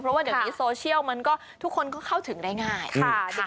เพราะว่าเดี๋ยวนี้โซเชียลมันก็ทุกคนก็เข้าถึงได้ง่าย